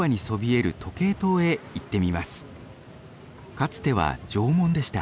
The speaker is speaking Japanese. かつては城門でした。